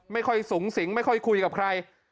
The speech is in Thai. ไม่ค่อยสูงสิงไม่ค่อยคุยกับใคร